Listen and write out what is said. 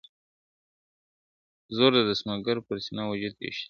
زور د ستمګر مو پر سینه وجود وېشلی دی ..